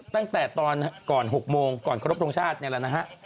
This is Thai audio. ตั้งแต่ก่อน๖โมงก่อนกรบทรงชาตินี่แหละ